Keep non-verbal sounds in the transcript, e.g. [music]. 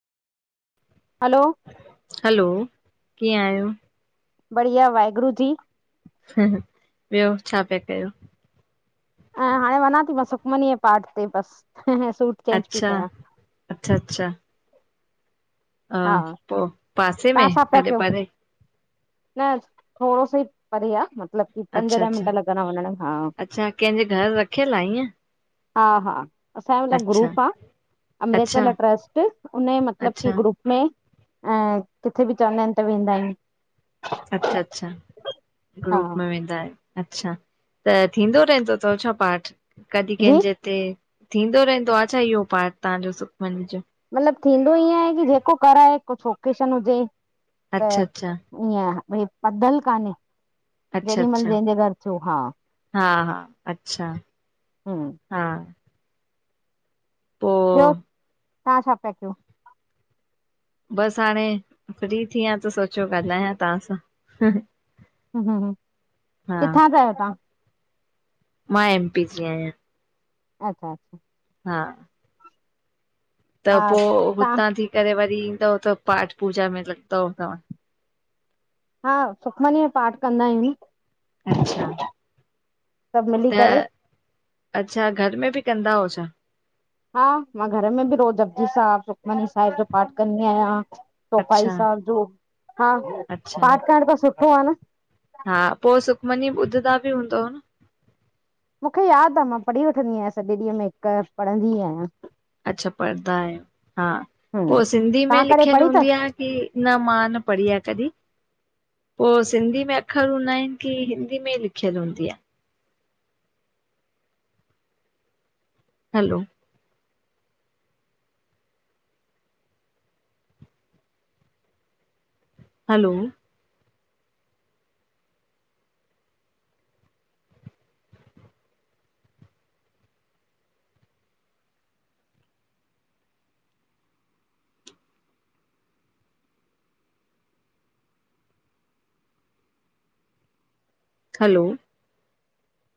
हलो hello कीअं आयो? बढ़िया वाहेगुरु जी ॿियो छा प्या कयो? ऐं हाणे वञा थी मां सुखमनीअ पाठ ते बस सुट अच्छा, अच्छा-अच्छा हा [inaudible] पासे तव्हां में छा प्या काॾे कयो? परे? न थोरो सो ई परे आ मतलब पंज अच्छा ॾह अच्छा मिंट लॻंदा वञण में। अच्छा कंहिंजे घर रखियल आ ईअं? हा-हा असांजो मतलब अच्छा ग्रुप आ, अमृत अच्छा वेला ट्रस्ट उन जो मतलब की अच्छा ग्रुप में किथे ॿि चवंदा आहिनि तं वेंदा आहियूं। अच्छा-अच्छा ग्रुप हा में वेंदा आयो। अच्छा त थींदो रहंदो तवं छा पाठ? कॾहिं जी कंहिंजे हिते थींदो रहंदो आ छा इहो पाठ तव्हांजो सुखमनी जो? मतलब थींदो ईअं आहे की जेको कराए को ओकेशन हुजे त अच्छा अच्छा ईअं हं पधल कान्हे। अच्छा जेॾीमल अच्छा जंहिंजे घर थ्यो हा। हा हा अच्छा हा ॿियो पो तव्हां छा प्या कयो? बस हाणे फ्री थी आ त सोचियो ॻाल्हायां तव्हां सां। हूं-हूं-हूं हा किथां जा आयो ता? मां एम पी जी आहियां। अच्छा-अच्छा हा त हा पो तव्हां हुतां थी करे वरी ईंदव त पाठ पूजा में लॻंदव ता? हा, सुखमनी जो पाठ कंदा आहियूं। अच्छा सभु मिली त करे अच्छा घर में ॿि कंदा ओ छा? हा, मां घर में ॿि रोज़ जपजी साहिब सुखमनी साहिब जो पाठ कंदी आहियां। सोपाई अच्छा सांब जो हा, अच्छा पाठ करण त सुठो आ न। हा, पो सुखमनी ॿुधंदा ॿि हूंदव न? मूंखे याद आ मां पढ़ी वठंदी आहियां सॼे ॾींहं में हिकु पढ़ंदी आहियां। अच्छा पढ़ंदा आहियो, हा हम्म पो सिंधी में तव्हां कॾहिं लिखियलु पढ़ी अथव हूंदी आ की न मा न पढ़ी आ कंॾी। पो सिंधी में अख़र हूंदा आहिनि की हिंदी में ई लिखियलु हूंदी आ? हलो हलो हलो